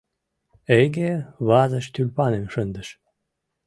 Эйге вазыш тюльпаным шындыш.